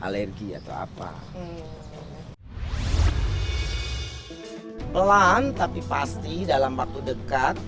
luguz pelan tapi pasti dalam waktu dekat